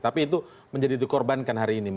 tapi itu menjadi dikorbankan hari ini